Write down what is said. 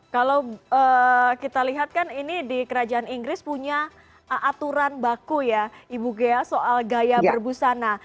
kalau kita lihat kan ini di kerajaan inggris punya aturan baku ya ibu ghea soal gaya berbusana